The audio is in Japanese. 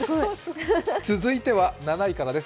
続いては７位からです。